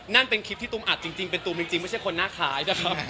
นั่นที่เป็นคลิปที่ตูมอัดจริงบังคุณเลย